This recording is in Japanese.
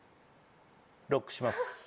ロックします